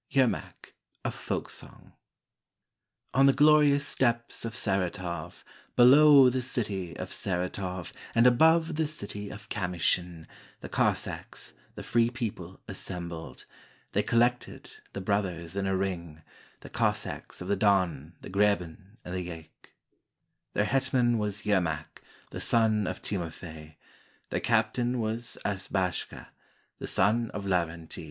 YERMAK A FOLK SONG On the glorious steppes of Saratov, Below the city of Saratov, And above the city of Kamyshin, The Cossacks, the free people, assembled ; They collected, the brothers, in a ring; The Cossacks of the Don, the Greben, and the Yaik; Their hetman was Yermak, the son of Timofey; Their captain was Asbashka, the son of Lavrenti.